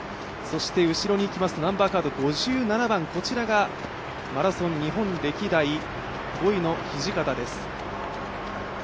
そして後ろにいきますとナンバーカード５７番、こちらがマラソンに本歴代５位の土方です。